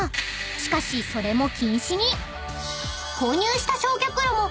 ［しかしそれも禁止に］